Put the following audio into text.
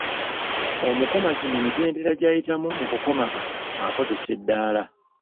Omukomazi mu mitendera gy’ayitamu mu kukomaga akozesa eddaala.